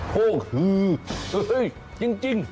โฮคือจริง